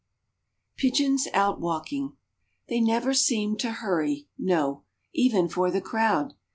Pigeons Out Walking They never seem to hurry, no, Even for the crowd.